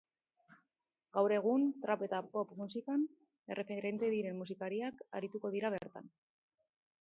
Gaur egun trap eta pop musikan erreferente diren musikariak arituko dira bertan.